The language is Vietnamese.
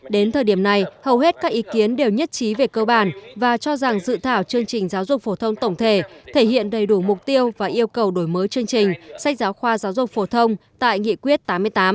đến thời điểm này hầu hết các ý kiến đều nhất trí về cơ bản và cho rằng dự thảo chương trình giáo dục phổ thông tổng thể thể hiện đầy đủ mục tiêu và yêu cầu đổi mới chương trình sách giáo khoa giáo dục phổ thông tại nghị quyết tám mươi tám